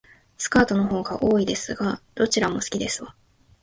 スカートの方が多いですが、どちらも好きですわ